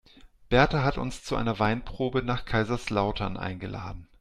Berta hat uns zu einer Weinprobe nach Kaiserslautern eingeladen.